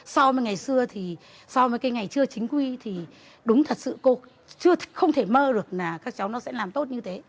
so với ngày xưa so với ngày chưa chính quy thì đúng thật sự không thể mơ được các cháu nó sẽ làm tốt như thế